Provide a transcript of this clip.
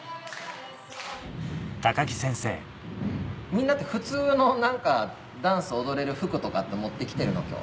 みんなって普通の何かダンスを踊れる服とかって持って来てるの？今日。